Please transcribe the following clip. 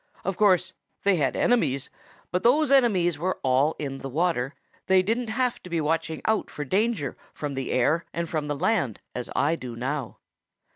Of course they had enemies, but those enemies were all in the water. They didn't have to be watching out for danger from the air and from the land, as I do now.